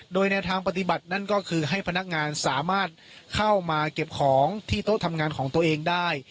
โดยแนวทางปฏิบัตินั่นก็คือให้พนักงานสามารถเข้ามาเก็บของที่โต๊ะทำงานของตัวเองได้